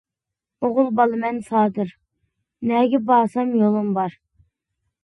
ئوغۇل بالىمەن سادىر، نەگە بارسام يولۇم بار.